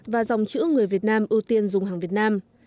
và dòng chữ người việt nam ưu tiên dùng hàng việt nam